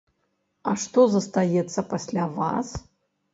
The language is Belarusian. А што застаецца пасля вас?